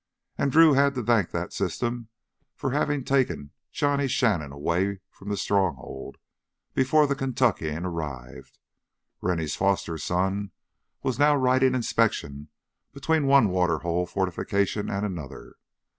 And Drew had to thank that system for having taken Johnny Shannon away from the Stronghold before the Kentuckian arrived. Rennie's foster son was now riding inspection between one water hole fortification and another.